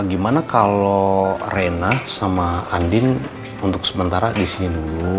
gimana kalo reina sama andin untuk sementara disini dulu